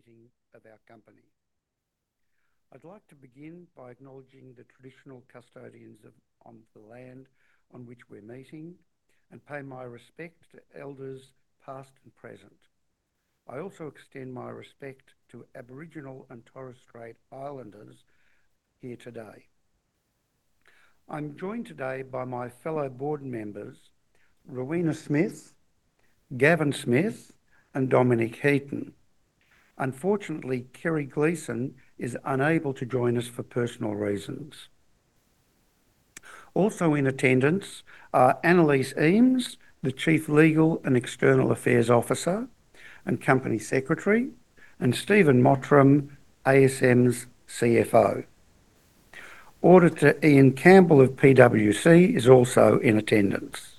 General meeting of our company. I'd like to begin by acknowledging the traditional custodians of the land on which we're meeting and pay my respect to elders past and present. I also extend my respect to Aboriginal and Torres Strait Islanders here today. I'm joined today by my fellow board members, Rowena Smith, Gavin Smith, and Dominic Heaton. Unfortunately, Kerry Gleeson is unable to join us for personal reasons. Also in attendance are Annaliese Eames, the Chief Legal and External Affairs Officer and Company Secretary, and Stephen Mottram, ASM's CFO. Auditor Ian Campbell of PwC is also in attendance.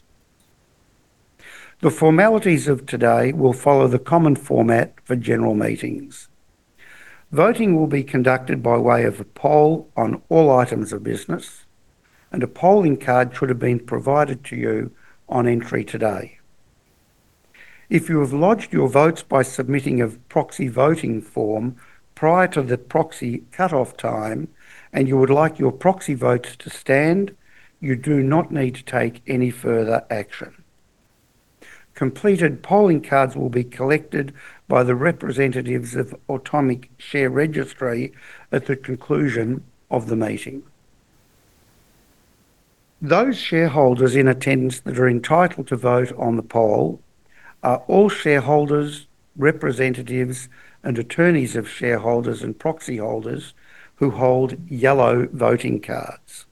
The formalities of today will follow the common format for general meetings. Voting will be conducted by way of a poll on all items of business, and a polling card should have been provided to you on entry today. If you have lodged your votes by submitting a proxy voting form prior to the proxy cutoff time and you would like your proxy votes to stand, you do not need to take any further action. Completed polling cards will be collected by the representatives of Automic Share Registry at the conclusion of the meeting. Those shareholders in attendance that are entitled to vote on the poll are all shareholders, representatives, and attorneys of shareholders and proxy holders who hold yellow voting cards.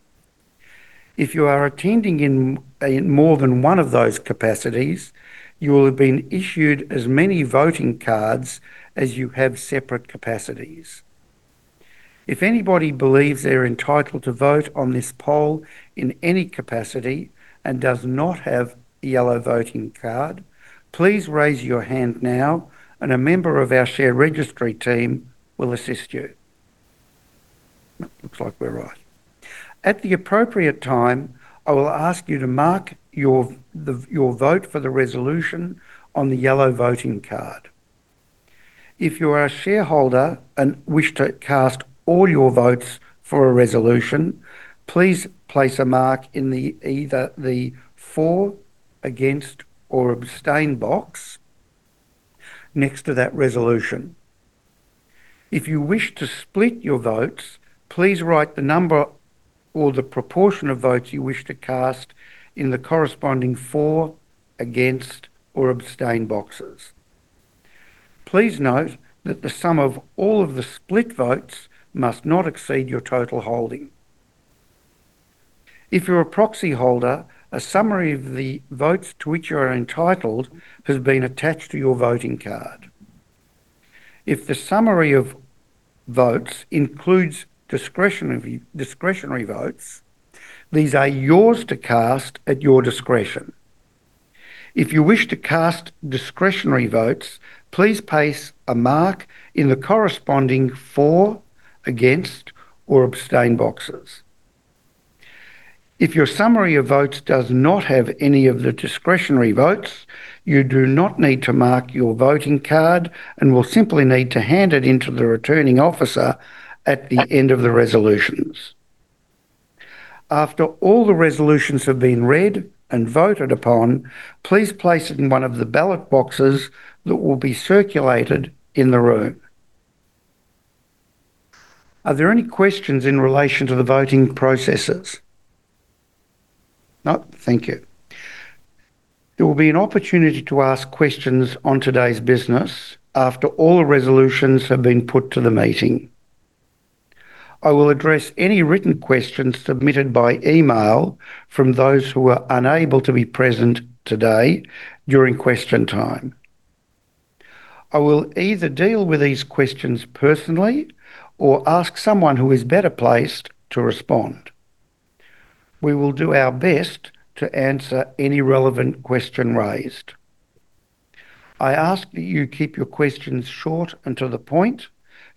If you are attending in more than one of those capacities, you will have been issued as many voting cards as you have separate capacities. If anybody believes they're entitled to vote on this poll in any capacity and does not have a yellow voting card, please raise your hand now, and a member of our share registry team will assist you. Looks like we're right. At the appropriate time, I will ask you to mark your vote for the resolution on the yellow voting card. If you are a shareholder and wish to cast all your votes for a resolution, please place a mark in either the for, against, or abstain box next to that resolution. If you wish to split your votes, please write the number or the proportion of votes you wish to cast in the corresponding for, against, or abstain boxes. Please note that the sum of all of the split votes must not exceed your total holding. If you're a proxy holder, a summary of the votes to which you are entitled has been attached to your voting card. If the summary of votes includes discretionary votes, these are yours to cast at your discretion. If you wish to cast discretionary votes, please place a mark in the corresponding for, against, or abstain boxes. If your summary of votes does not have any of the discretionary votes, you do not need to mark your voting card and will simply need to hand it into the returning officer at the end of the resolutions. After all the resolutions have been read and voted upon, please place it in one of the ballot boxes that will be circulated in the room. Are there any questions in relation to the voting processes? No? Thank you. There will be an opportunity to ask questions on today's business after all the resolutions have been put to the meeting. I will address any written questions submitted by email from those who are unable to be present today during question time. I will either deal with these questions personally or ask someone who is better placed to respond. We will do our best to answer any relevant question raised. I ask that you keep your questions short and to the point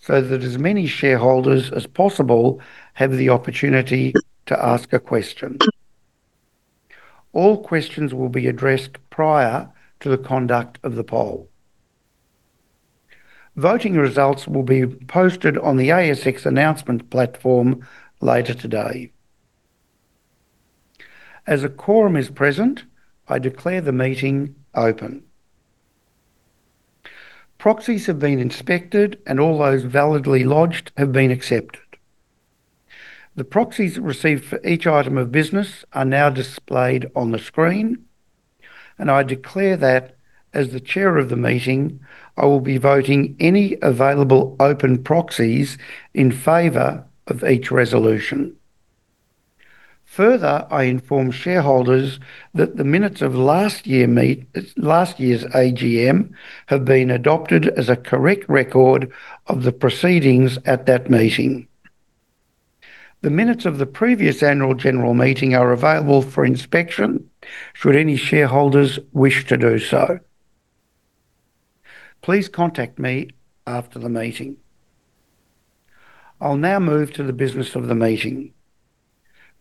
so that as many shareholders as possible have the opportunity to ask a question. All questions will be addressed prior to the conduct of the poll. Voting results will be posted on the ASX announcement platform later today. As a quorum is present, I declare the meeting open. Proxies have been inspected, and all those validly lodged have been accepted. The proxies received for each item of business are now displayed on the screen, and I declare that as the chair of the meeting, I will be voting any available open proxies in favor of each resolution. Further, I inform shareholders that the minutes of last year's AGM have been adopted as a correct record of the proceedings at that meeting. The minutes of the previous Annual General Meeting are available for inspection should any shareholders wish to do so. Please contact me after the meeting. I'll now move to the business of the meeting.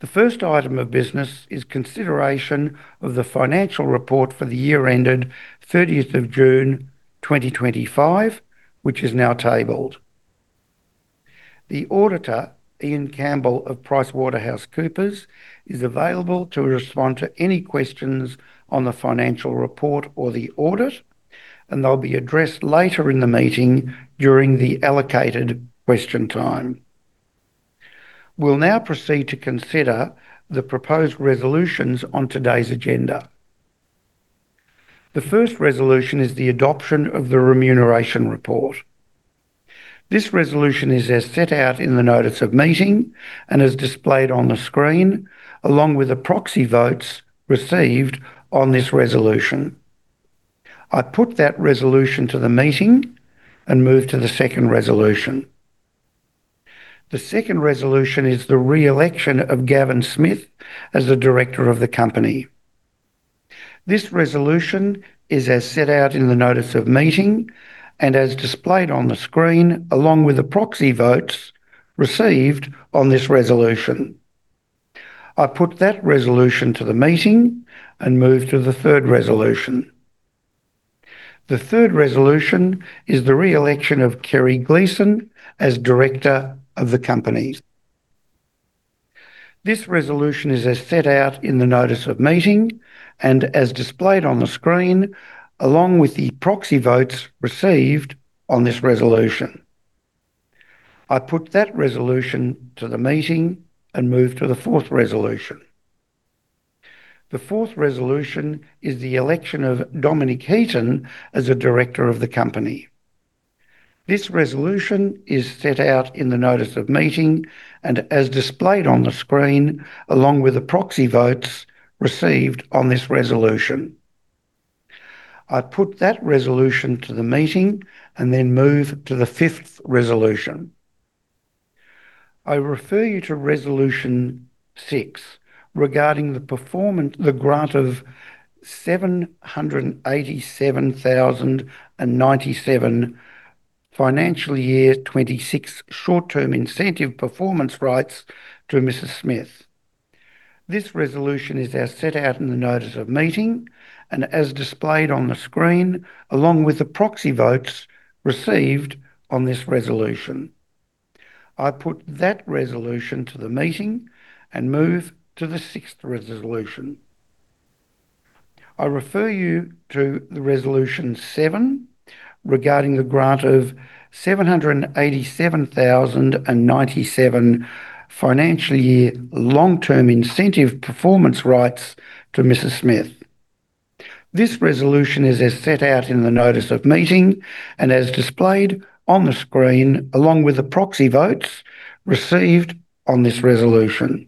The first item of business is consideration of the financial report for the year ended 30th of June 2025, which is now tabled. The auditor, Ian Campbell of PricewaterhouseCoopers, is available to respond to any questions on the financial report or the audit, and they'll be addressed later in the meeting during the allocated question time. We'll now proceed to consider the proposed resolutions on today's agenda. The first resolution is the adoption of the remuneration report. This resolution is as set out in the notice of meeting and is displayed on the screen, along with the proxy votes received on this resolution. I put that resolution to the meeting and move to the second resolution. The second resolution is the re-election of Gavin Smith as the director of the company. This resolution is as set out in the notice of meeting and as displayed on the screen, along with the proxy votes received on this resolution. I put that resolution to the meeting and move to the third resolution. The third resolution is the re-election of Kerry Gleeson as director of the company. This resolution is as set out in the notice of meeting and as displayed on the screen, along with the proxy votes received on this resolution. I put that resolution to the meeting and move to the fourth resolution. The fourth resolution is the election of Dominic Heaton as a director of the company. This resolution is set out in the notice of meeting and as displayed on the screen, along with the proxy votes received on this resolution. I put that resolution to the meeting and then move to the fifth resolution. I refer you to resolution six regarding the grant of 787,097, Financial Year 26 Short-Term Incentive Performance Rights to Mrs. Smith. This resolution is as set out in the notice of meeting and as displayed on the screen, along with the proxy votes received on this resolution.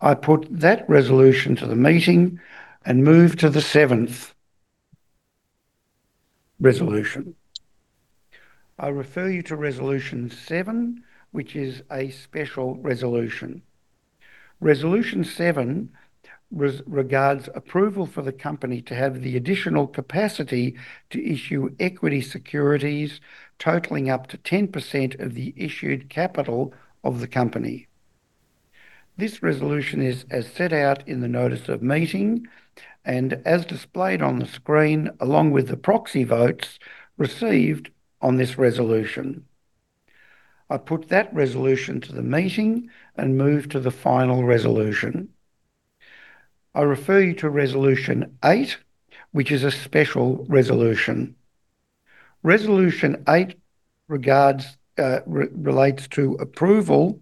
I put that resolution to the meeting and move to the sixth resolution. I refer you to resolution seven regarding the grant of 787,097, Financial Year Long-Term Incentive Performance Rights to Mrs. Smith. This resolution is as set out in the notice of meeting and as displayed on the screen, along with the proxy votes received on this resolution. I put that resolution to the meeting and move to the seventh resolution. I refer you to resolution seven, which is a special resolution. Resolution seven regards approval for the company to have the additional capacity to issue equity securities totalling up to 10% of the issued capital of the company. This resolution is as set out in the notice of meeting and as displayed on the screen, along with the proxy votes received on this resolution. I put that resolution to the meeting and move to the final resolution. I refer you to resolution eight, which is a special resolution. Resolution eight relates to approval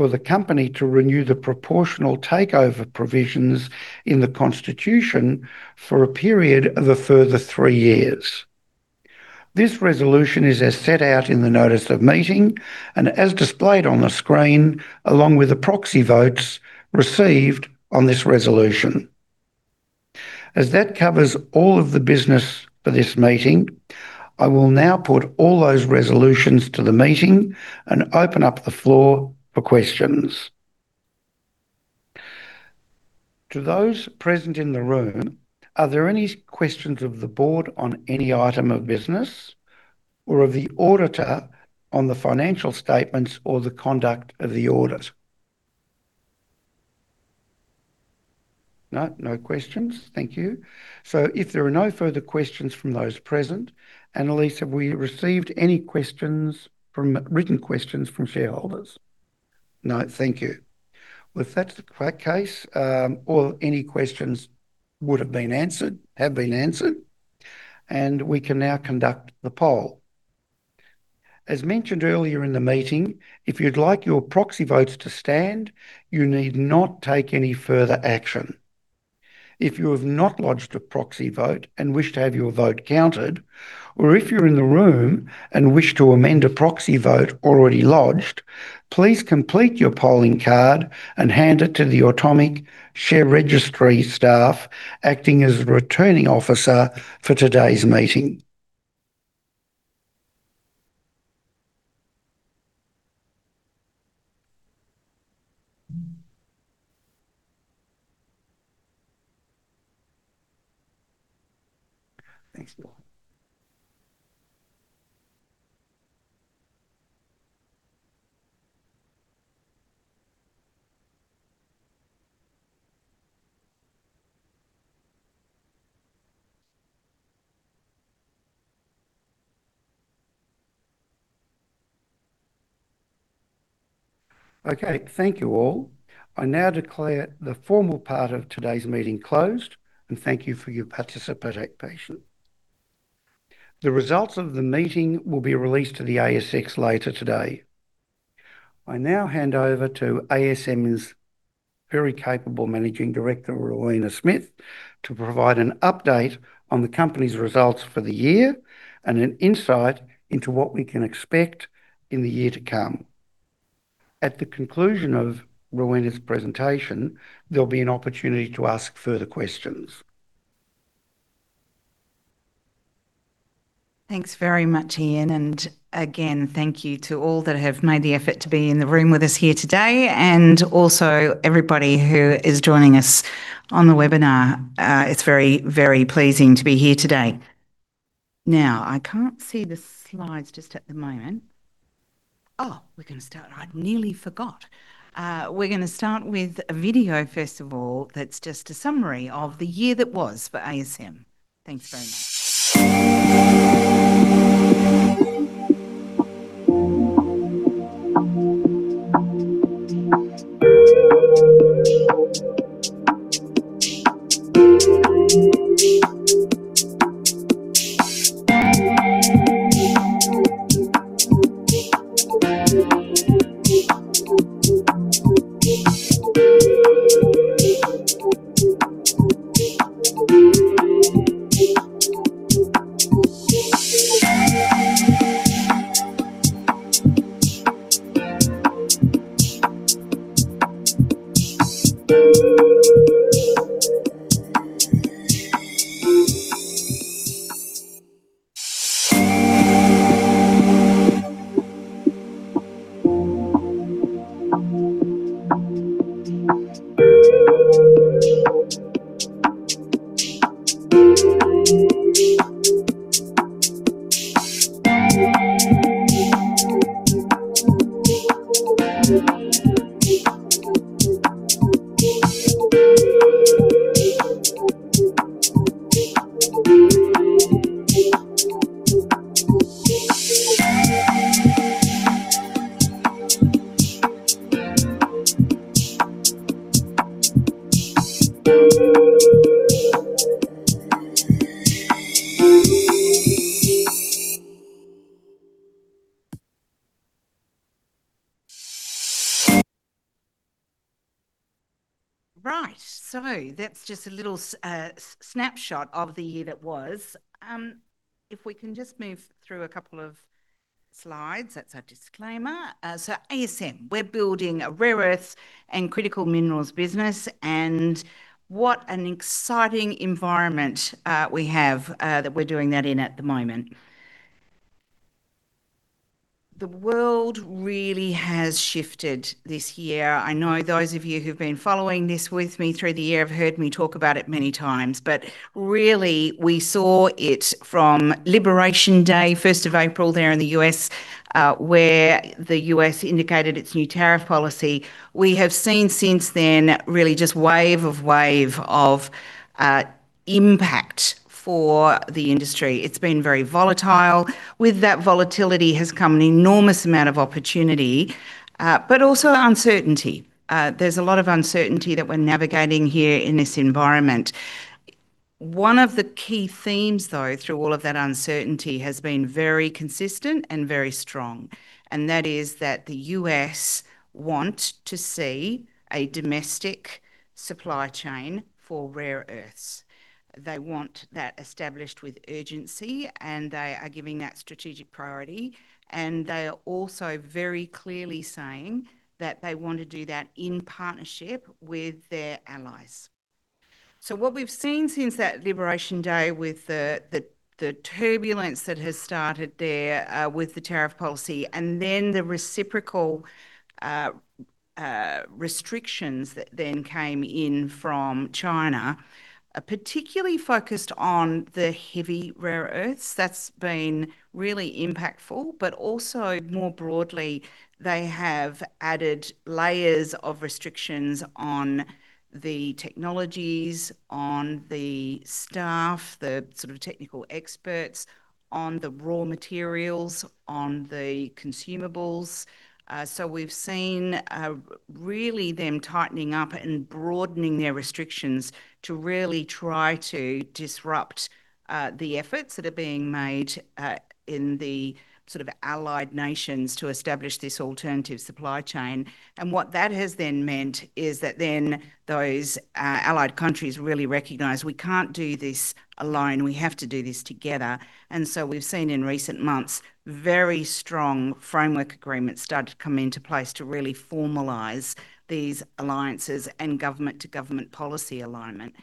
for the company to renew the proportional takeover provisions in the constitution for a period of a further three years. This resolution is as set out in the notice of meeting and as displayed on the screen, along with the proxy votes received on this resolution. As that covers all of the business for this meeting, I will now put all those resolutions to the meeting and open up the floor for questions. To those present in the room, are there any questions of the board on any item of business or of the auditor on the financial statements or the conduct of the audit? No? No questions? Thank you. If there are no further questions from those present, Annaliese, have we received any written questions from shareholders? No? Thank you. If that's the case, all any questions would have been answered, have been answered, and we can now conduct the poll. As mentioned earlier in the meeting, if you'd like your proxy votes to stand, you need not take any further action. If you have not lodged a proxy vote and wish to have your vote counted, or if you're in the room and wish to amend a proxy vote already lodged, please complete your polling card and hand it to the Automic Share Registry staff acting as returning officer for today's meeting. Thanks. Okay. Thank you all. I now declare the formal part of today's meeting closed, and thank you for your participation. The results of the meeting will be released to the ASX later today. I now hand over to ASM's very capable Managing Director, Rowena Smith, to provide an update on the company's results for the year and an insight into what we can expect in the year to come. At the conclusion of Rowena's presentation, there'll be an opportunity to ask further questions. Thanks very much, Ian. Thank you to all that have made the effort to be in the room with us here today, and also everybody who is joining us on the webinar. It's very, very pleasing to be here today. I can't see the slides just at the moment. Oh, we're going to start. I nearly forgot. We're going to start with a video, first of all, that's just a summary of the year that was for ASM. Thanks very much. Right. That's just a little snapshot of the year that was. If we can just move through a couple of slides, that's our disclaimer. ASM, we're building a rare earth and critical minerals business, and what an exciting environment we have that we're doing that in at the moment. The world really has shifted this year. I know those of you who've been following this with me through the year have heard me talk about it many times, but really we saw it from Liberation Day, 1st of April there in the U.S., where the U.S. indicated its new tariff policy. We have seen since then really just wave of wave of impact for the industry. It's been very volatile. With that volatility has come an enormous amount of opportunity, but also uncertainty. There's a lot of uncertainty that we're navigating here in this environment. One of the key themes, though, through all of that uncertainty has been very consistent and very strong, and that is that the U.S. want to see a domestic supply chain for rare earths. They want that established with urgency, and they are giving that strategic priority, and they are also very clearly saying that they want to do that in partnership with their allies. What we've seen since that Liberation Day with the turbulence that has started there with the tariff policy, and then the reciprocal restrictions that then came in from China, particularly focused on the heavy rare earths, that's been really impactful, but also more broadly, they have added layers of restrictions on the technologies, on the staff, the sort of technical experts, on the raw materials, on the consumables. We've seen really them tightening up and broadening their restrictions to really try to disrupt the efforts that are being made in the sort of allied nations to establish this alternative supply chain. What that has then meant is that then those allied countries really recognize we can't do this alone. We have to do this together. We've seen in recent months very strong framework agreements start to come into place to really formalize these alliances and government-to-government policy alignment.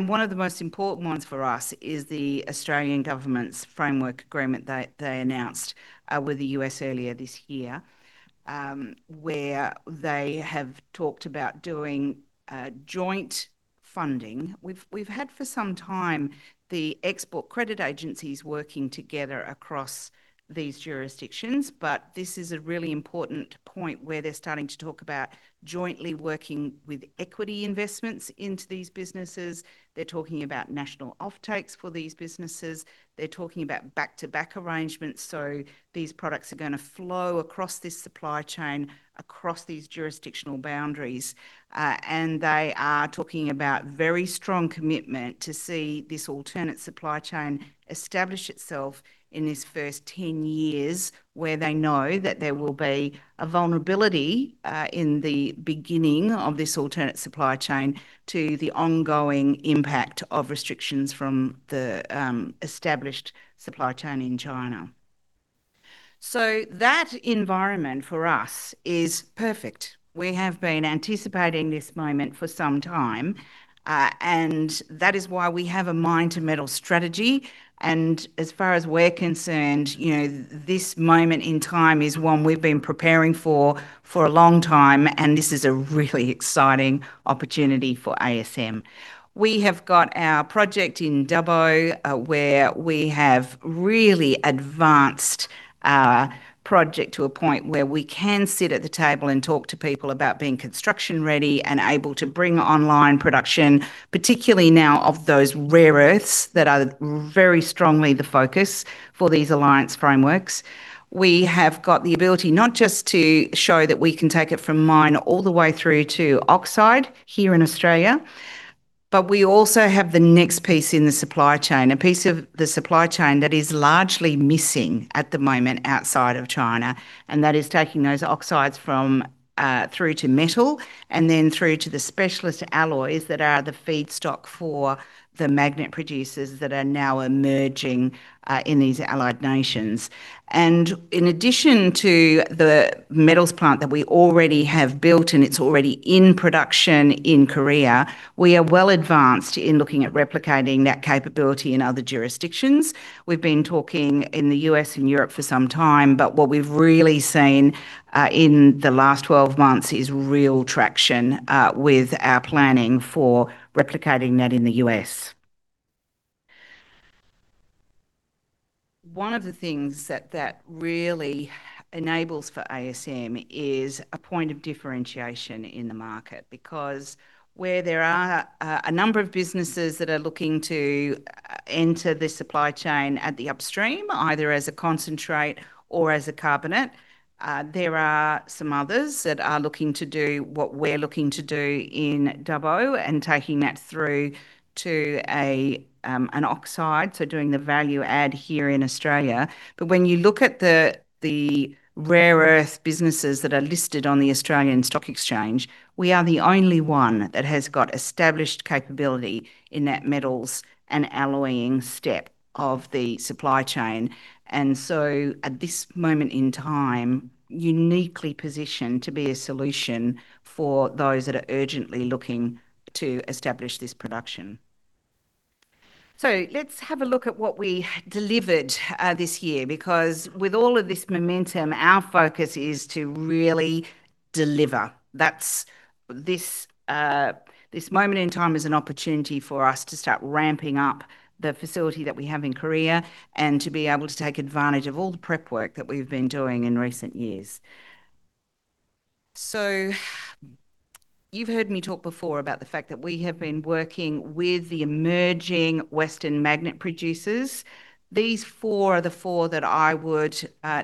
One of the most important ones for us is the Australian Government's framework agreement that they announced with the U.S. earlier this year, where they have talked about doing joint funding. have had for some time the export credit agencies working together across these jurisdictions, but this is a really important point where they are starting to talk about jointly working with equity investments into these businesses. They are talking about national offtakes for these businesses. They are talking about back-to-back arrangements. These products are going to flow across this supply chain, across these jurisdictional boundaries. They are talking about very strong commitment to see this alternate supply chain establish itself in this first 10 years, where they know that there will be a vulnerability in the beginning of this alternate supply chain to the ongoing impact of restrictions from the established supply chain in China. That environment for us is perfect. We have been anticipating this moment for some time, and that is why we have a mind-to-metal strategy. As far as we're concerned, this moment in time is one we've been preparing for for a long time, and this is a really exciting opportunity for ASM. We have got our project in Dubbo, where we have really advanced our project to a point where we can sit at the table and talk to people about being construction-ready and able to bring online production, particularly now of those rare earths that are very strongly the focus for these alliance frameworks. We have got the ability not just to show that we can take it from mine all the way through to oxide here in Australia, but we also have the next piece in the supply chain, a piece of the supply chain that is largely missing at the moment outside of China, and that is taking those oxides through to metal and then through to the specialist alloys that are the feedstock for the magnet producers that are now emerging in these allied nations. In addition to the metals plant that we already have built and it's already in production in Korea, we are well advanced in looking at replicating that capability in other jurisdictions. We have been talking in the U.S. and Europe for some time, but what we have really seen in the last 12 months is real traction with our planning for replicating that in the U.S. One of the things that really enables for ASM is a point of differentiation in the market because where there are a number of businesses that are looking to enter the supply chain at the upstream, either as a concentrate or as a carbonate, there are some others that are looking to do what we're looking to do in Dubbo and taking that through to an oxide, so doing the value add here in Australia. When you look at the rare earth businesses that are listed on the Australian Stock Exchange, we are the only one that has got established capability in that metals and alloying step of the supply chain. At this moment in time, uniquely positioned to be a solution for those that are urgently looking to establish this production. Let's have a look at what we delivered this year because with all of this momentum, our focus is to really deliver. This moment in time is an opportunity for us to start ramping up the facility that we have in Korea and to be able to take advantage of all the prep work that we've been doing in recent years. You've heard me talk before about the fact that we have been working with the emerging Western magnet producers. These four are the four that I would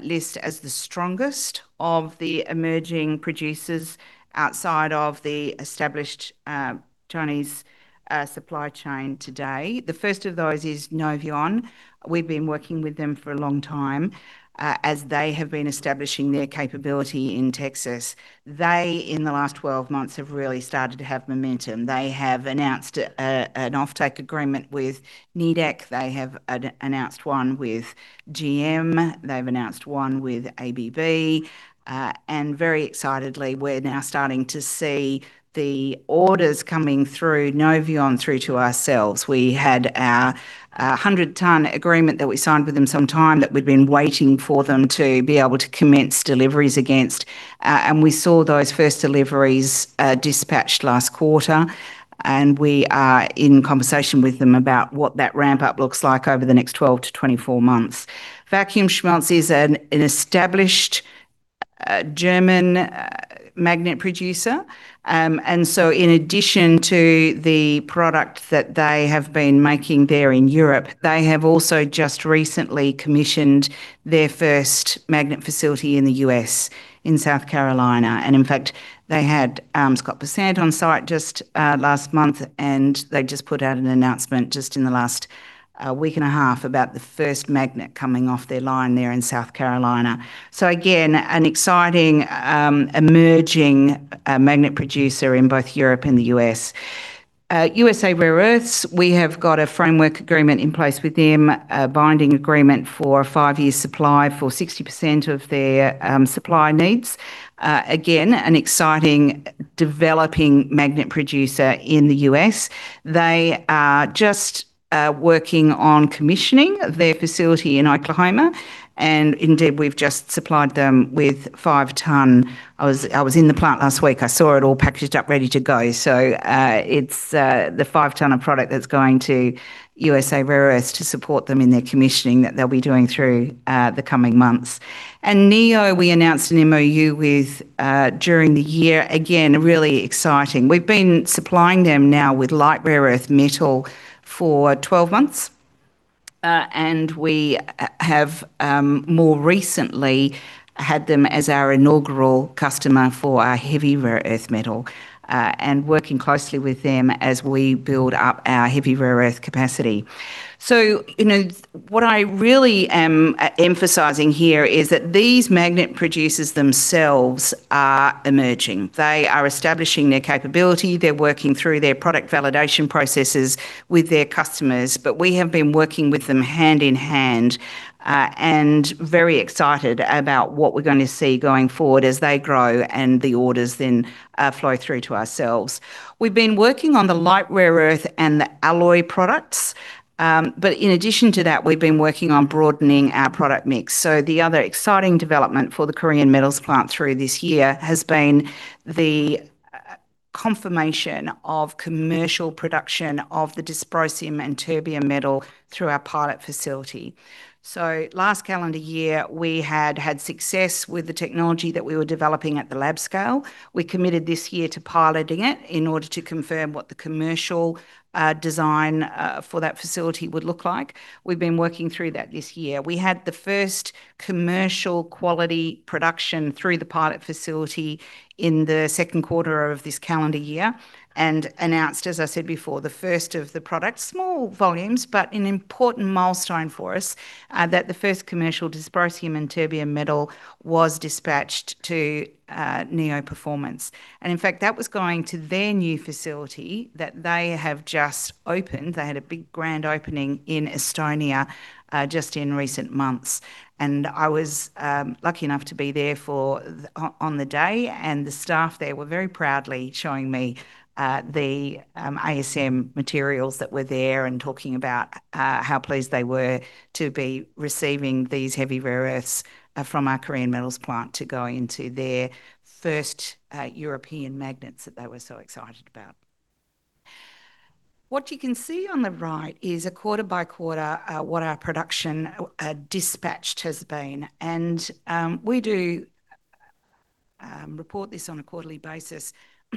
list as the strongest of the emerging producers outside of the established Chinese supply chain today. The first of those is Novion. We've been working with them for a long time as they have been establishing their capability in Texas. They, in the last 12 months, have really started to have momentum. They have announced an offtake agreement with NEDEC. They have announced one with GM. They have announced one with ABB. Very excitedly, we are now starting to see the orders coming through Novion through to ourselves. We had our 100-ton agreement that we signed with them some time that we had been waiting for them to be able to commence deliveries against. We saw those first deliveries dispatched last quarter, and we are in conversation with them about what that ramp-up looks like over the next 12-24 months. Vacuumschmelze is an established German magnet producer. In addition to the product that they have been making there in Europe, they have also just recently commissioned their first magnet facility in the U.S., in South Carolina. In fact, they had Scott Bessant on site just last month, and they just put out an announcement just in the last week and a half about the first magnet coming off their line there in South Carolina. Again, an exciting emerging magnet producer in both Europe and the U.S. USA Rare Earth, we have got a framework agreement in place with them, a binding agreement for a five-year supply for 60% of their supply needs. Again, an exciting developing magnet producer in the U.S. They are just working on commissioning their facility in Oklahoma, and indeed, we've just supplied them with 5 ton. I was in the plant last week. I saw it all packaged up, ready to go. It is the 5 ton of product that is going to USA Rare Earth to support them in their commissioning that they will be doing through the coming months. NEO, we announced an MoU with during the year. Again, really exciting. We've been supplying them now with light rare earth metal for twelve months, and we have more recently had them as our inaugural customer for our heavy rare earth metal and working closely with them as we build up our heavy rare earth capacity. What I really am emphasizing here is that these magnet producers themselves are emerging. They are establishing their capability. They're working through their product validation processes with their customers, but we have been working with them hand in hand and very excited about what we're going to see going forward as they grow and the orders then flow through to ourselves. We've been working on the light rare earth and the alloy products, but in addition to that, we've been working on broadening our product mix. The other exciting development for the Korean Metals Plant through this year has been the confirmation of commercial production of the dysprosium and terbium metal through our pilot facility. Last calendar year, we had had success with the technology that we were developing at the lab scale. We committed this year to piloting it in order to confirm what the commercial design for that facility would look like. We've been working through that this year. We had the first commercial quality production through the pilot facility in the second quarter of this calendar year and announced, as I said before, the first of the products, small volumes, but an important milestone for us that the first commercial dysprosium and terbium metal was dispatched to NEO Performance. In fact, that was going to their new facility that they have just opened. They had a big grand opening in Estonia just in recent months. I was lucky enough to be there on the day, and the staff there were very proudly showing me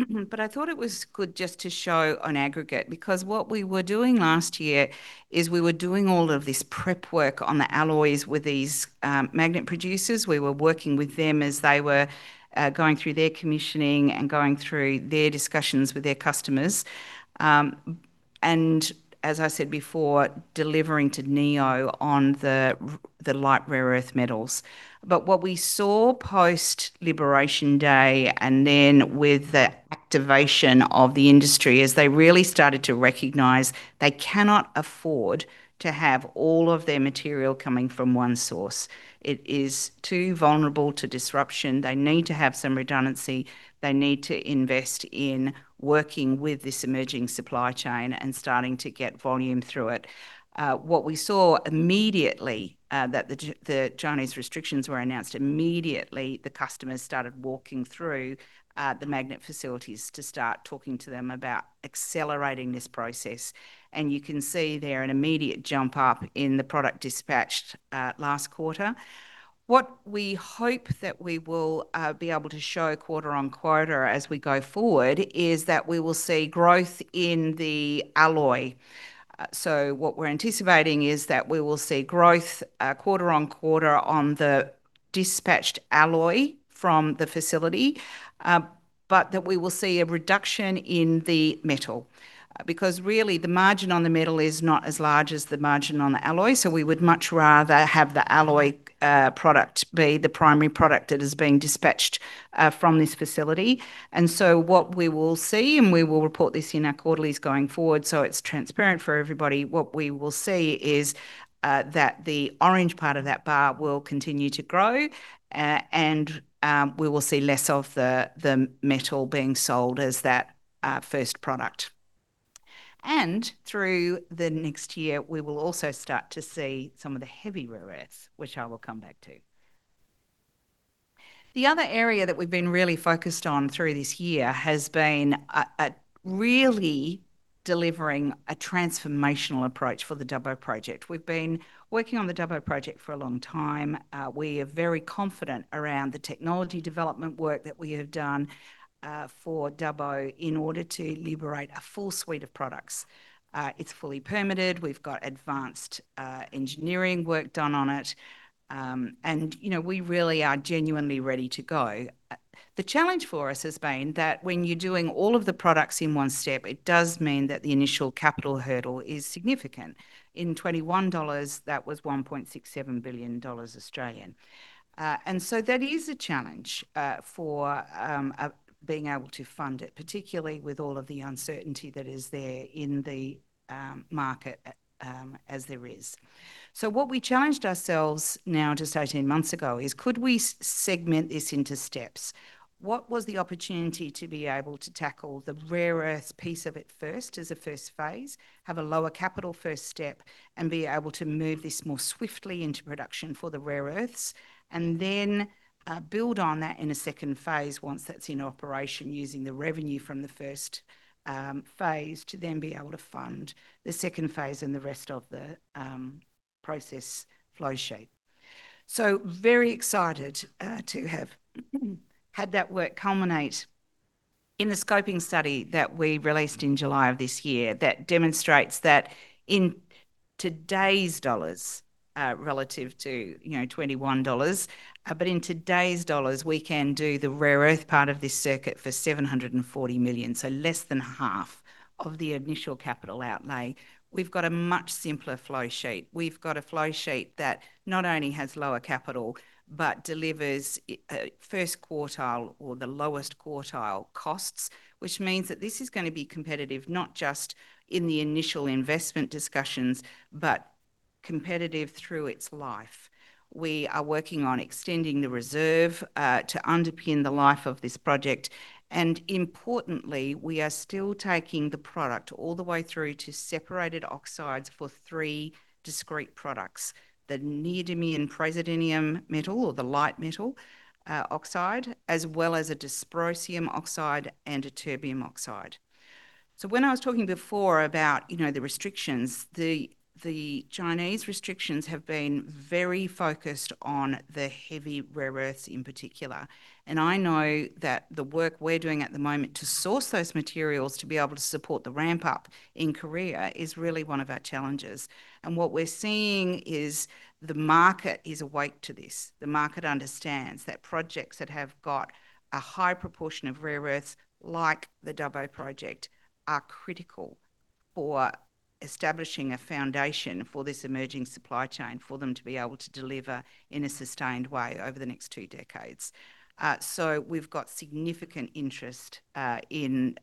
but I thought it was good just to show on aggregate because what we were doing last year is we were doing all of this prep work on the alloys with these magnet producers. We were working with them as they were going through their commissioning and going through their discussions with their customers. As I said before, delivering to NEO on the light rare earth metals. What we saw post-Liberation Day and with the activation of the industry is they really started to recognize they cannot afford to have all of their material coming from one source. It is too vulnerable to disruption. They need to have some redundancy. They need to invest in working with this emerging supply chain and starting to get volume through it. What we saw immediately that the Chinese restrictions were announced, immediately the customers started walking through the magnet facilities to start talking to them about accelerating this process. You can see there an immediate jump up in the product dispatched last quarter. What we hope that we will be able to show quarter on quarter as we go forward is that we will see growth in the alloy. What we're anticipating is that we will see growth quarter on quarter on the dispatched alloy from the facility, but that we will see a reduction in the metal because really the margin on the metal is not as large as the margin on the alloy. We would much rather have the alloy product be the primary product that is being dispatched from this facility. What we will see, and we will report this in our quarterlies going forward, so it's transparent for everybody, what we will see is that the orange part of that bar will continue to grow, and we will see less of the metal being sold as that first product. Through the next year, we will also start to see some of the heavy rare earths, which I will come back to. The other area that we've been really focused on through this year has been really delivering a transformational approach for the Dubbo project. We've been working on the Dubbo project for a long time. We are very confident around the technology development work that we have done for Dubbo in order to liberate a full suite of products. It's fully permitted. We've got advanced engineering work done on it. We really are genuinely ready to go. The challenge for us has been that when you're doing all of the products in one step, it does mean that the initial capital hurdle is significant. In 2021, that was 1.67 billion Australian dollars. That is a challenge for being able to fund it, particularly with all of the uncertainty that is there in the market as there is. What we challenged ourselves now just 18 months ago is, could we segment this into steps? What was the opportunity to be able to tackle the rare earth piece of it first as a first phase, have a lower capital first step, and be able to move this more swiftly into production for the rare earths and then build on that in a second phase once that's in operation using the revenue from the first phase to then be able to fund the second phase and the rest of the process flow sheet. Very excited to have had that work culminate in the scoping study that we released in July of this year that demonstrates that in today's dollars relative to 2021, but in today's dollars, we can do the rare earth part of this circuit for 740 million, so less than half of the initial capital outlay. We've got a much simpler flow sheet. We've got a flow sheet that not only has lower capital, but delivers first quartile or the lowest quartile costs, which means that this is going to be competitive not just in the initial investment discussions, but competitive through its life. We are working on extending the reserve to underpin the life of this project. Importantly, we are still taking the product all the way through to separated oxides for three discrete products, the neodymium-praseodymium metal or the light metal oxide, as well as a dysprosium oxide and a terbium oxide. When I was talking before about the restrictions, the Chinese restrictions have been very focused on the heavy rare earths in particular. I know that the work we're doing at the moment to source those materials to be able to support the ramp-up in Korea is really one of our challenges. What we're seeing is the market is awake to this. The market understands that projects that have got a high proportion of rare earths like the Dubbo project are critical for establishing a foundation for this emerging supply chain for them to be able to deliver in a sustained way over the next two decades. We have significant interest in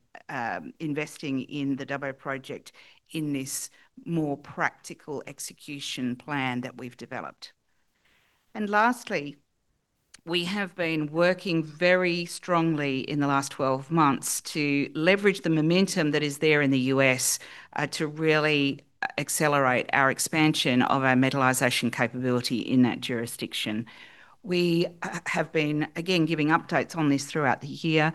investing in the Dubbo project in this more practical execution plan that we have developed. Lastly, we have been working very strongly in the last 12 months to leverage the momentum that is there in the U.S. to really accelerate our expansion of our metalization capability in that jurisdiction. We have been, again, giving updates on this throughout the year,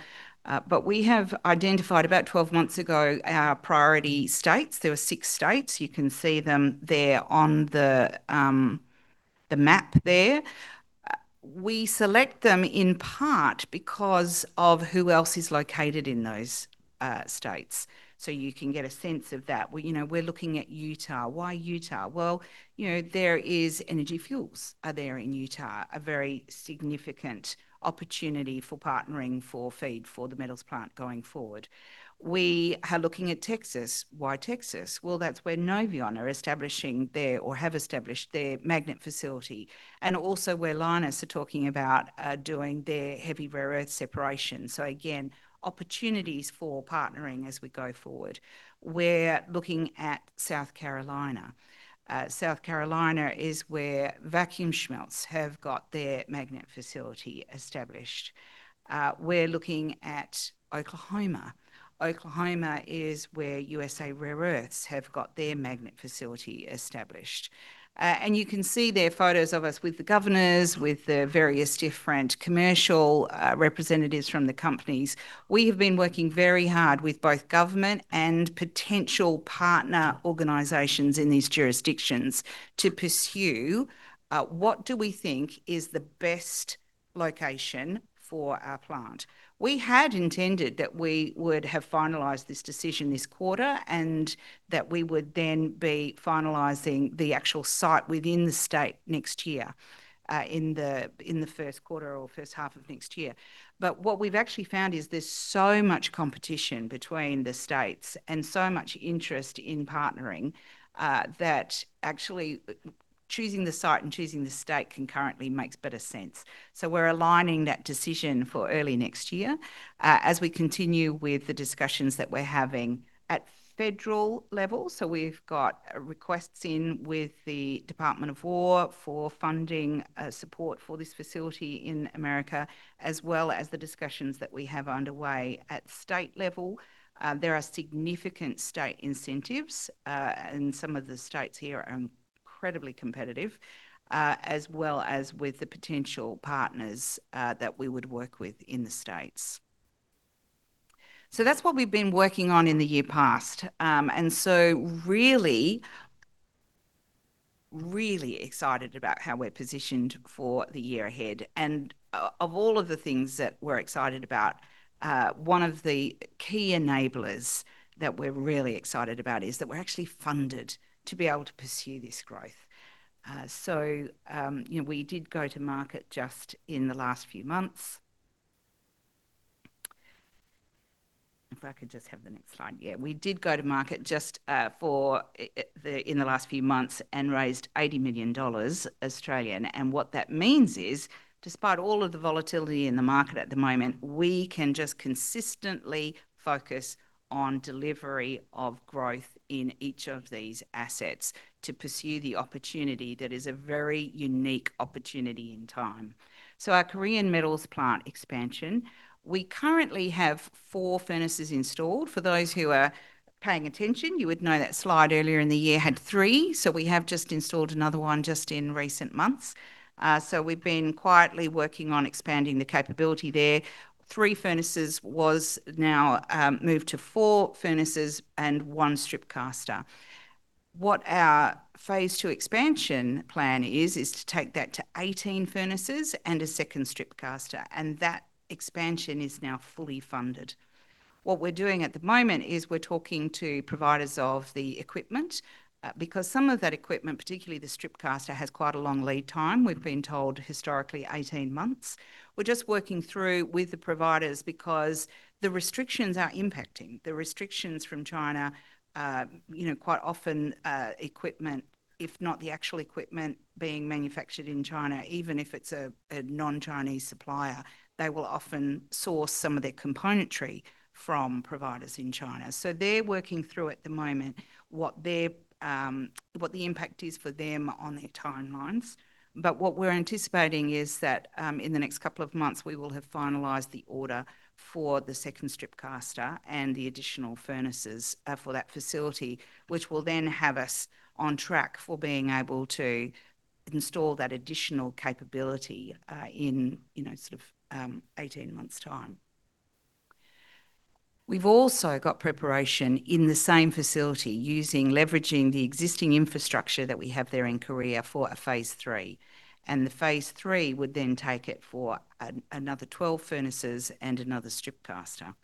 but we identified about 12 months ago our priority states. There were six states. You can see them there on the map. We select them in part because of who else is located in those states, so you can get a sense of that. We are looking at Utah. Why Utah? There is Energy Fuels there in Utah, a very significant opportunity for partnering for feed for the metals plant going forward. We are looking at Texas. Why Texas? That's where Novion are establishing their or have established their magnet facility and also where Lynas are talking about doing their heavy rare earth separation. Again, opportunities for partnering as we go forward. We're looking at South Carolina. South Carolina is where Vacuumschmelze have got their magnet facility established. We're looking at Oklahoma. Oklahoma is where USA Rare Earth have got their magnet facility established. You can see there photos of us with the governors, with the various different commercial representatives from the companies. We have been working very hard with both government and potential partner organizations in these jurisdictions to pursue what we think is the best location for our plant. We had intended that we would have finalized this decision this quarter and that we would then be finalizing the actual site within the state next year in the first quarter or first half of next year. What we've actually found is there's so much competition between the states and so much interest in partnering that actually choosing the site and choosing the state concurrently makes better sense. We are aligning that decision for early next year as we continue with the discussions that we're having at federal level. We have requests in with the Department of War for funding support for this facility in America, as well as the discussions that we have underway at state level. There are significant state incentives, and some of the states here are incredibly competitive, as well as with the potential partners that we would work with in the states. That is what we've been working on in the year past. I am really, really excited about how we're positioned for the year ahead. Of all of the things that we're excited about, one of the key enablers that we're really excited about is that we're actually funded to be able to pursue this growth. We did go to market just in the last few months. If I could just have the next slide. Yes, we did go to market just in the last few months and raised 80 million Australian dollars. What that means is, despite all of the volatility in the market at the moment, we can just consistently focus on delivery of growth in each of these assets to pursue the opportunity that is a very unique opportunity in time. Our Korean Metals Plant expansion, we currently have four furnaces installed. For those who are paying attention, you would know that slide earlier in the year had three. We have just installed another one just in recent months. We have been quietly working on expanding the capability there. Three furnaces was now moved to four furnaces and one strip caster. What our phase two expansion plan is, is to take that to 18 furnaces and a second strip caster. That expansion is now fully funded. What we are doing at the moment is we are talking to providers of the equipment because some of that equipment, particularly the strip caster, has quite a long lead time. We have been told historically 18 months. We are just working through with the providers because the restrictions are impacting. The restrictions from China, quite often equipment, if not the actual equipment being manufactured in China, even if it's a non-Chinese supplier, they will often source some of their componentry from providers in China. They are working through at the moment what the impact is for them on their timelines. What we are anticipating is that in the next couple of months, we will have finalized the order for the second strip caster and the additional furnaces for that facility, which will then have us on track for being able to install that additional capability in sort of 18 months' time. We have also got preparation in the same facility leveraging the existing infrastructure that we have there in Korea for a phase three. The phase three would then take it for another 12 furnaces and another strip caster.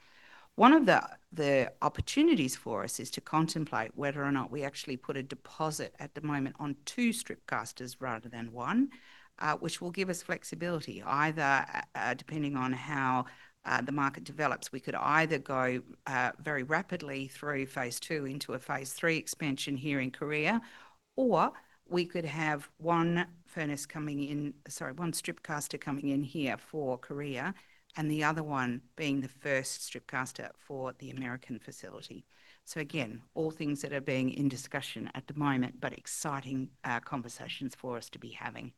One of the opportunities for us is to contemplate whether or not we actually put a deposit at the moment on two strip casters rather than one, which will give us flexibility. Either depending on how the market develops, we could either go very rapidly through phase two into a phase three expansion here in Korea, or we could have one furnace coming in, sorry, one strip caster coming in here for Korea and the other one being the first strip caster for the American facility. All things that are being in discussion at the moment, but exciting conversations for us to be having.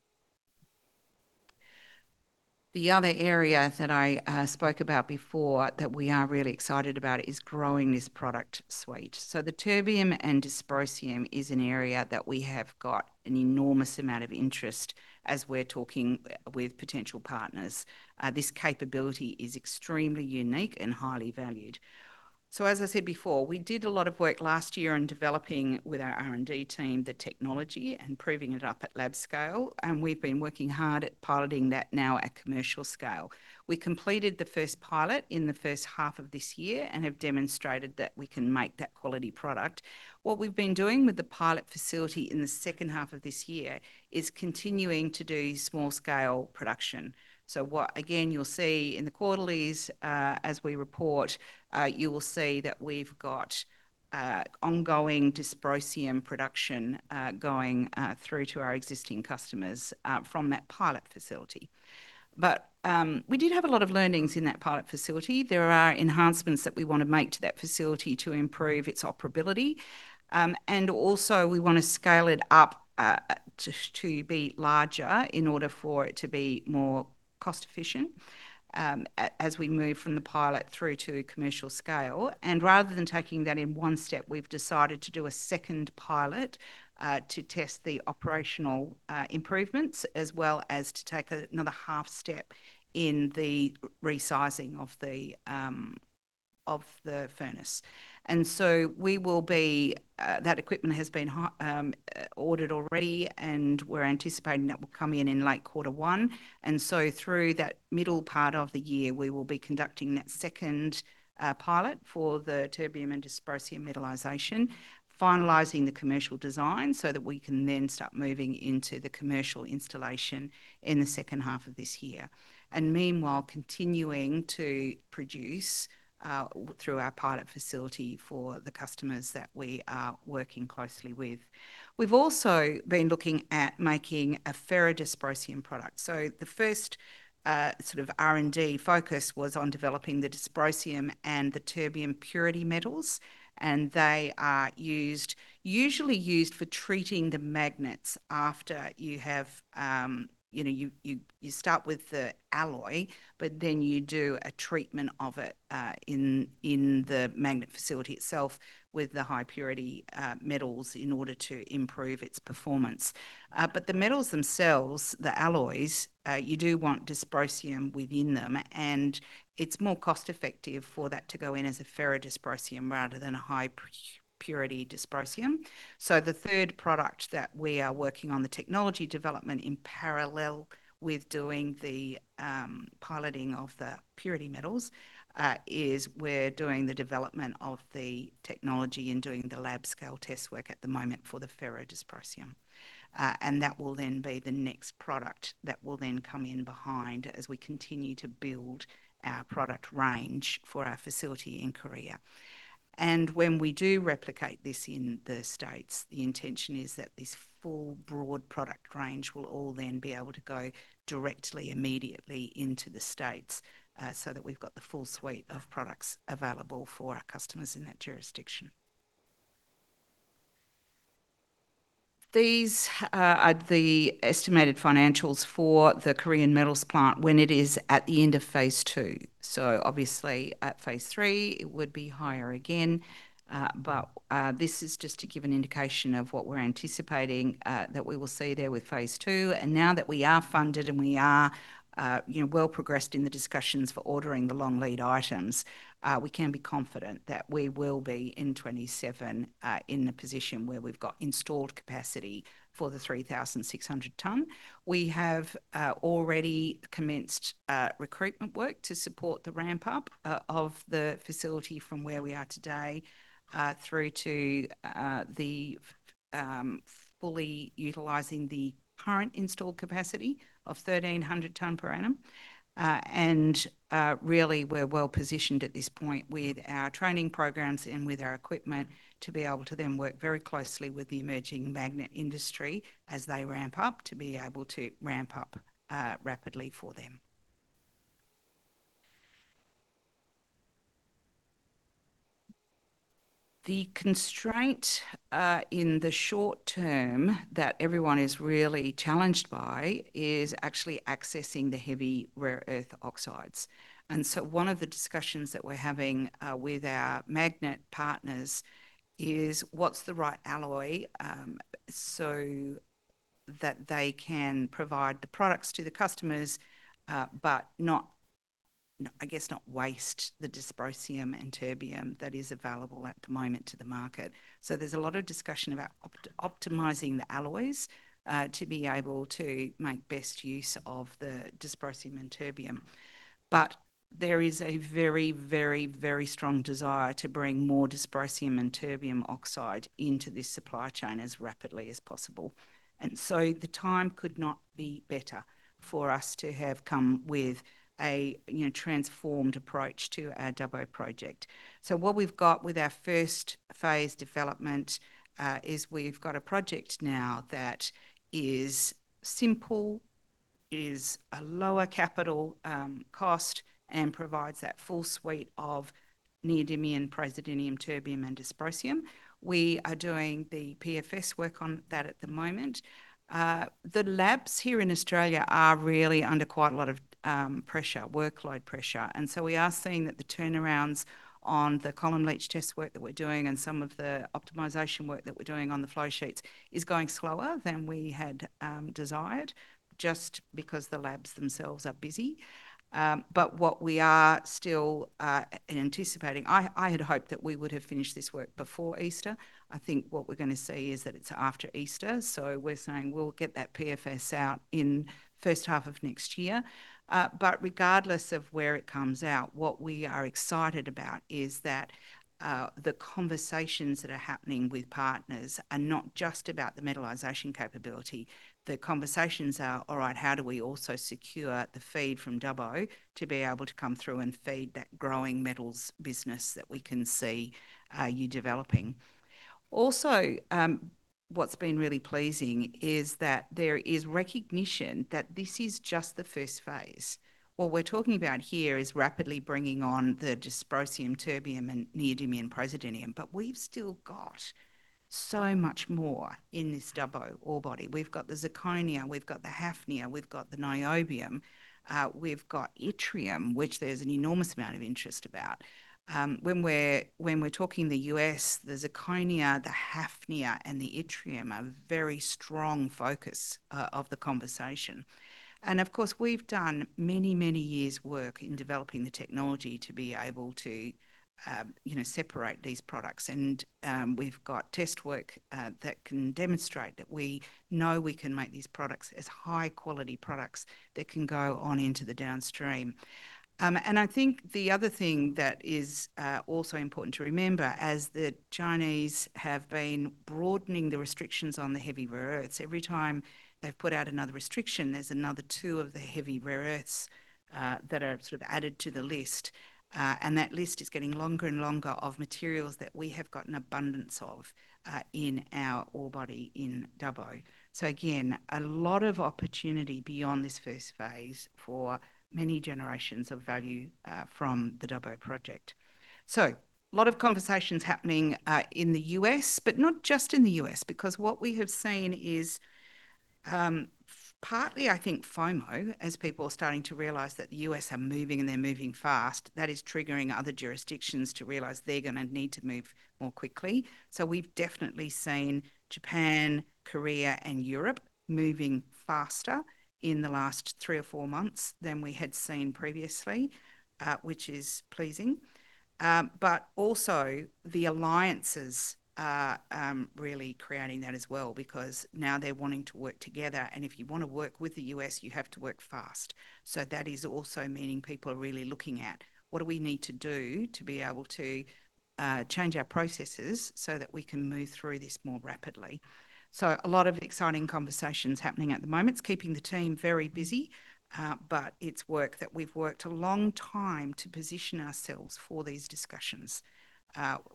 The other area that I spoke about before that we are really excited about is growing this product suite. The terbium and dysprosium is an area that we have got an enormous amount of interest as we're talking with potential partners. This capability is extremely unique and highly valued. As I said before, we did a lot of work last year in developing with our R&D team the technology and proving it up at lab scale. We have been working hard at piloting that now at commercial scale. We completed the first pilot in the first half of this year and have demonstrated that we can make that quality product. What we have been doing with the pilot facility in the second half of this year is continuing to do small scale production. What you will see in the quarterlies as we report, you will see that we have ongoing dysprosium production going through to our existing customers from that pilot facility. We did have a lot of learnings in that pilot facility. There are enhancements that we want to make to that facility to improve its operability. We want to scale it up to be larger in order for it to be more cost-efficient as we move from the pilot through to commercial scale. Rather than taking that in one step, we've decided to do a second pilot to test the operational improvements as well as to take another half step in the resizing of the furnace. That equipment has been ordered already, and we're anticipating that will come in in late quarter one. Through that middle part of the year, we will be conducting that second pilot for the terbium and dysprosium metalization, finalizing the commercial design so that we can then start moving into the commercial installation in the second half of this year. Meanwhile, continuing to produce through our pilot facility for the customers that we are working closely with. We've also been looking at making a ferro-dysprosium product. The first sort of R&D focus was on developing the dysprosium and the terbium purity metals. They are usually used for treating the magnets after you have you start with the alloy, but then you do a treatment of it in the magnet facility itself with the high purity metals in order to improve its performance. The metals themselves, the alloys, you do want dysprosium within them, and it's more cost-effective for that to go in as a ferro-dysprosium rather than a high purity dysprosium. The third product that we are working on, the technology development in parallel with doing the piloting of the purity metals, is we're doing the development of the technology and doing the lab scale test work at the moment for the ferro-dysprosium. That will then be the next product that will then come in behind as we continue to build our product range for our facility in Korea. When we do replicate this in the states, the intention is that this full broad product range will all then be able to go directly immediately into the states so that we've got the full suite of products available for our customers in that jurisdiction. These are the estimated financials for the Korean Metals Plant when it is at the end of phase two. Obviously, at phase three, it would be higher again. This is just to give an indication of what we're anticipating that we will see there with phase two. Now that we are funded and we are well progressed in the discussions for ordering the long lead items, we can be confident that we will be in 2027 in the position where we've got installed capacity for the 3,600 ton. We have already commenced recruitment work to support the ramp-up of the facility from where we are today through to fully utilizing the current installed capacity of 1,300 ton per annum. Really, we're well positioned at this point with our training programs and with our equipment to be able to then work very closely with the emerging magnet industry as they ramp up to be able to ramp up rapidly for them. The constraint in the short term that everyone is really challenged by is actually accessing the heavy rare earth oxides. One of the discussions that we're having with our magnet partners is what's the right alloy so that they can provide the products to the customers, but I guess not waste the dysprosium and terbium that is available at the moment to the market. There is a lot of discussion about optimizing the alloys to be able to make best use of the dysprosium and terbium. There is a very, very, very strong desire to bring more dysprosium and terbium oxide into this supply chain as rapidly as possible. The time could not be better for us to have come with a transformed approach to our Dubbo project. What we've got with our first phase development is we've got a project now that is simple, is a lower capital cost, and provides that full suite of neodymium, praseodymium, terbium, and dysprosium. We are doing the PFS work on that at the moment. The labs here in Australia are really under quite a lot of pressure, workload pressure. We are seeing that the turnarounds on the column leach test work that we're doing and some of the optimization work that we're doing on the flow sheets is going slower than we had desired just because the labs themselves are busy. What we are still anticipating, I had hoped that we would have finished this work before Easter. I think what we're going to see is that it's after Easter. We are saying we'll get that PFS out in the first half of next year. Regardless of where it comes out, what we are excited about is that the conversations that are happening with partners are not just about the metalization capability. The conversations are, all right, how do we also secure the feed from Dubbo to be able to come through and feed that growing metals business that we can see you developing. Also, what's been really pleasing is that there is recognition that this is just the first phase. What we're talking about here is rapidly bringing on the dysprosium, terbium, and neodymium, prosodymium. We've still got so much more in this Dubbo ore body. We've got the zirconia, we've got the hafnia, we've got the niobium, we've got yttrium, which there's an enormous amount of interest about. When we're talking the U...S, the zirconia, the hafnia, and the yttrium are a very strong focus of the conversation. Of course, we've done many, many years' work in developing the technology to be able to separate these products. We have test work that can demonstrate that we know we can make these products as high-quality products that can go on into the downstream. I think the other thing that is also important to remember, as the Chinese have been broadening the restrictions on the heavy rare earths, every time they have put out another restriction, there is another two of the heavy rare earths that are sort of added to the list. That list is getting longer and longer of materials that we have got an abundance of in our ore body in Dubbo. Again, a lot of opportunity beyond this first phase for many generations of value from the Dubbo project. A lot of conversations are happening in the U.S., but not just in the U.S., because what we have seen is partly, I think, FOMO, as people are starting to realize that the U.S. are moving and they're moving fast. That is triggering other jurisdictions to realize they're going to need to move more quickly. We have definitely seen Japan, Korea, and Europe moving faster in the last three or four months than we had seen previously, which is pleasing. Also, the alliances are really creating that as well, because now they're wanting to work together. If you want to work with the U.S., you have to work fast. That is also meaning people are really looking at what do we need to do to be able to change our processes so that we can move through this more rapidly. A lot of exciting conversations happening at the moment. It's keeping the team very busy, but it's work that we've worked a long time to position ourselves for these discussions.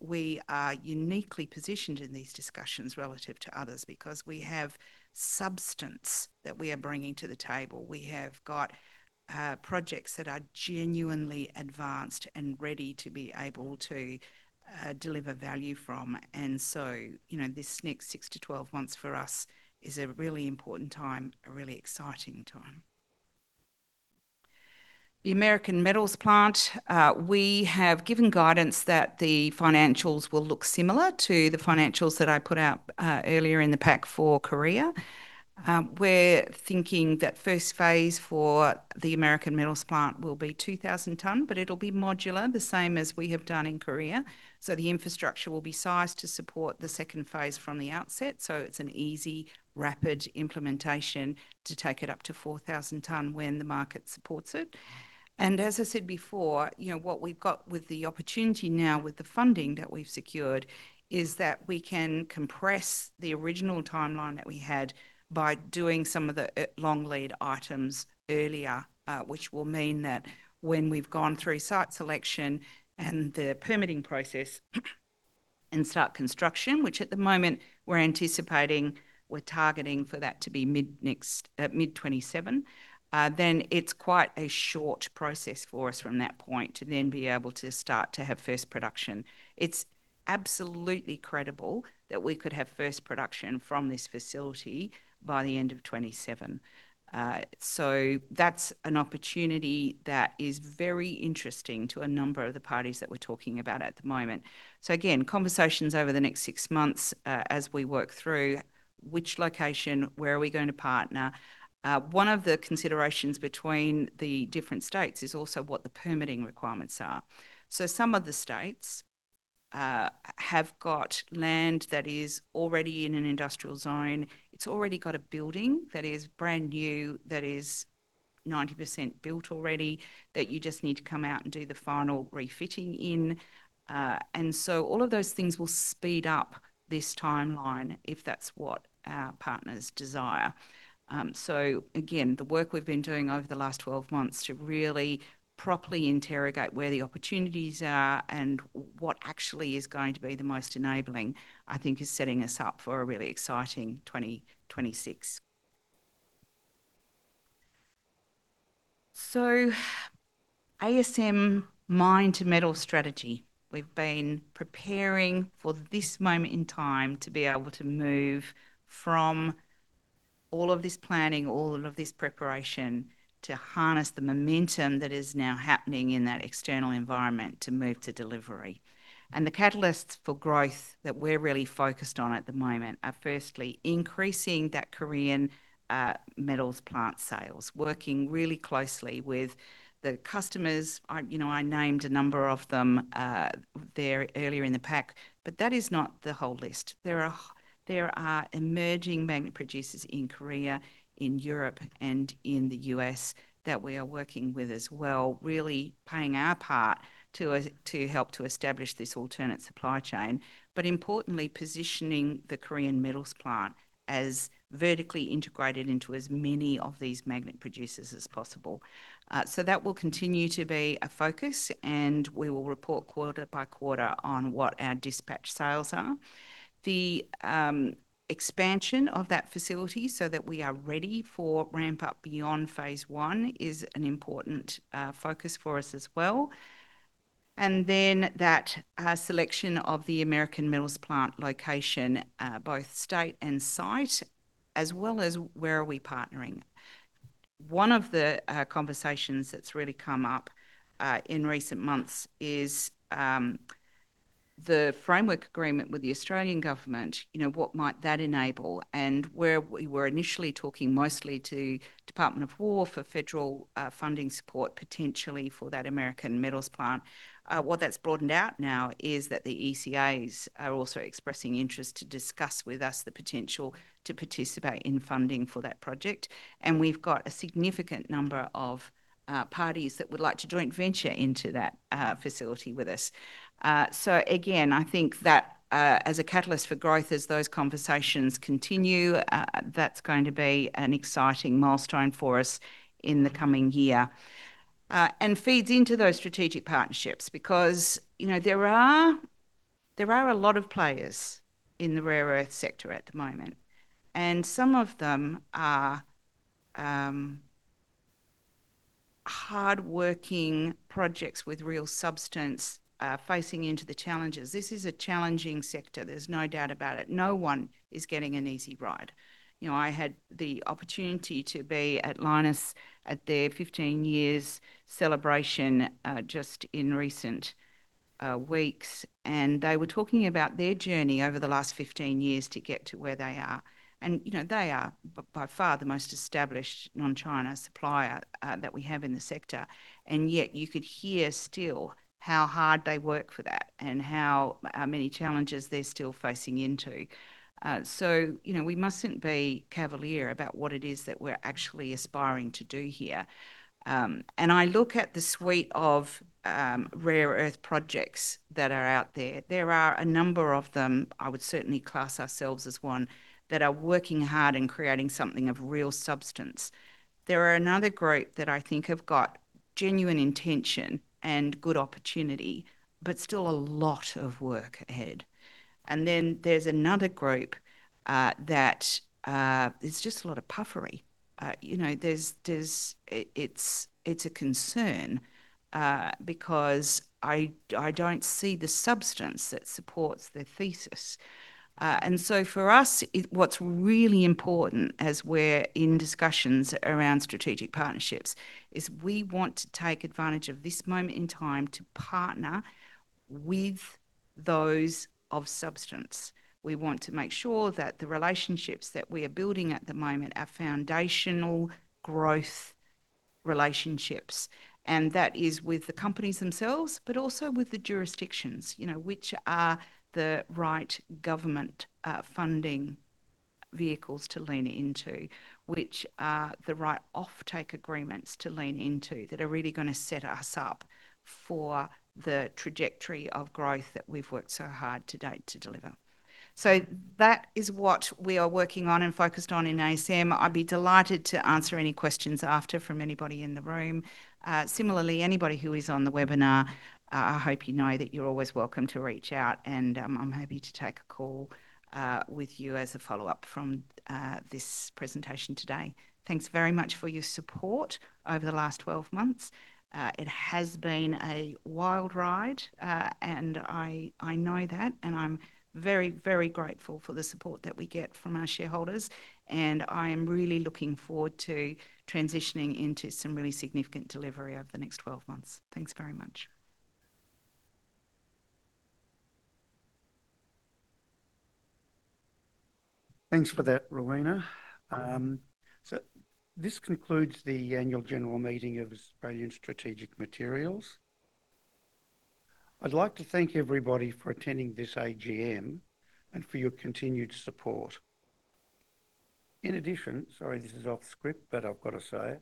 We are uniquely positioned in these discussions relative to others because we have substance that we are bringing to the table. We have got projects that are genuinely advanced and ready to be able to deliver value from. This next 6-12 months for us is a really important time, a really exciting time. The American Metals Plant, we have given guidance that the financials will look similar to the financials that I put out earlier in the pack for Korea. We're thinking that first phase for the American Metals Plant will be 2,000 ton, but it'll be modular, the same as we have done in Korea. The infrastructure will be sized to support the second phase from the outset. It is an easy, rapid implementation to take it up to 4,000 ton when the market supports it. As I said before, what we have with the opportunity now with the funding that we have secured is that we can compress the original timeline that we had by doing some of the long lead items earlier, which will mean that when we have gone through site selection and the permitting process and start construction, which at the moment we are anticipating, we are targeting for that to be mid-2027, it is quite a short process for us from that point to then be able to start to have first production. It is absolutely credible that we could have first production from this facility by the end of 2027. That is an opportunity that is very interesting to a number of the parties that we're talking about at the moment. Again, conversations over the next six months as we work through which location, where we are going to partner. One of the considerations between the different states is also what the permitting requirements are. Some of the states have land that is already in an industrial zone. It already has a building that is brand new, that is 90% built already, that you just need to come out and do the final refitting in. All of those things will speed up this timeline if that is what our partners desire. Again, the work we've been doing over the last 12 months to really properly interrogate where the opportunities are and what actually is going to be the most enabling, I think is setting us up for a really exciting 2026. ASM Mine to Metal Strategy, we've been preparing for this moment in time to be able to move from all of this planning, all of this preparation to harness the momentum that is now happening in that external environment to move to delivery. The catalysts for growth that we're really focused on at the moment are firstly increasing that Korean Metals Plant sales, working really closely with the customers. I named a number of them there earlier in the pack, but that is not the whole list. There are emerging magnet producers in Korea, in Europe, and in the U.S that we are working with as well, really playing our part to help to establish this alternate supply chain. Importantly, positioning the Korean Metals Plant as vertically integrated into as many of these magnet producers as possible will continue to be a focus, and we will report quarter by quarter on what our dispatch sales are. The expansion of that facility so that we are ready for ramp-up beyond phase one is an important focus for us as well. That selection of the American Metals Plant location, both state and site, as well as where we are partnering, is also a key consideration. One of the conversations that has really come up in recent months is the framework agreement with the Australian government, and what that might enable. Where we were initially talking mostly to Department of War for federal funding support potentially for that American Metals Plant, what that has broadened out now is that the ECAs are also expressing interest to discuss with us the potential to participate in funding for that project. We have a significant number of parties that would like to joint venture into that facility with us. I think that as a catalyst for growth, as those conversations continue, that is going to be an exciting milestone for us in the coming year and feeds into those strategic partnerships because there are a lot of players in the rare earth sector at the moment. Some of them are hardworking projects with real substance facing into the challenges. This is a challenging sector. There is no doubt about it. No one is getting an easy ride. I had the opportunity to be at Lynas at their 15 years celebration just in recent weeks, and they were talking about their journey over the last 15 years to get to where they are. They are by far the most established non-China supplier that we have in the sector. You could hear still how hard they work for that and how many challenges they're still facing into. We mustn't be cavalier about what it is that we're actually aspiring to do here. I look at the suite of rare earth projects that are out there. There are a number of them, I would certainly class ourselves as one, that are working hard and creating something of real substance. There are another group that I think have got genuine intention and good opportunity, but still a lot of work ahead. There is another group that is just a lot of puffery. It's a concern because I don't see the substance that supports the thesis. For us, what's really important as we're in discussions around strategic partnerships is we want to take advantage of this moment in time to partner with those of substance. We want to make sure that the relationships that we are building at the moment are foundational growth relationships. That is with the companies themselves, but also with the jurisdictions, which are the right government funding vehicles to lean into, which are the right offtake agreements to lean into that are really going to set us up for the trajectory of growth that we've worked so hard to date to deliver. That is what we are working on and focused on in ASM. I'd be delighted to answer any questions after from anybody in the room. Similarly, anybody who is on the webinar, I hope you know that you're always welcome to reach out, and I'm happy to take a call with you as a follow-up from this presentation today. Thanks very much for your support over the last 12 months. It has been a wild ride, and I know that, and I'm very, very grateful for the support that we get from our shareholders. I am really looking forward to transitioning into some really significant delivery over the next 12 months. Thanks very much. Thanks for that, Rowena. This concludes the annual general meeting of Australian Strategic Materials. I'd like to thank everybody for attending this AGM and for your continued support. In addition, sorry, this is off script, but I've got to say,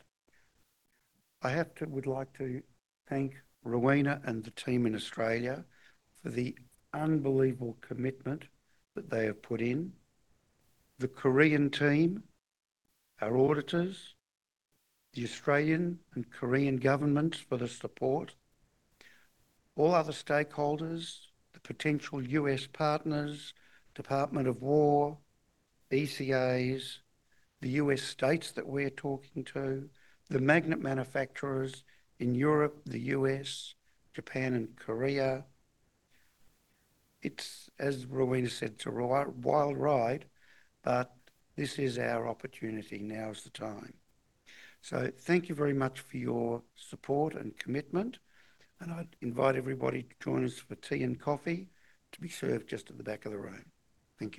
I would like to thank Rowena and the team in Australia for the unbelievable commitment that they have put in, the Korean team, our auditors, the Australian and Korean governments for the support, all other stakeholders, the potential U.S. partners, Department of War, ECAs, the U.S. states that we're talking to, the magnet manufacturers in Europe, the U.S., Japan, and Korea. As Rowena said, it's a wild ride, but this is our opportunity. Now is the time. Thank you very much for your support and commitment. I invite everybody to join us for tea and coffee to be served just at the back of the room. Thank you.